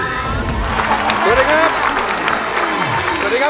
สวัสดีครับ